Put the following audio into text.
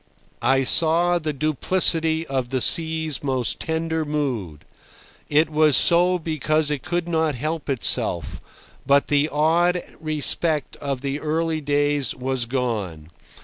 I saw the duplicity of the sea's most tender mood. It was so because it could not help itself, but the awed respect of the early days was gone.